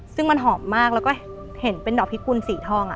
ซึ่งมันหอมมากแล้วก็เห็นเป็นดอกพิกุลสีทอง